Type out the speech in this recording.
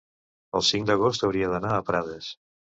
el cinc d'agost hauria d'anar a Prades.